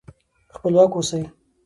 خپلواک اوسئ.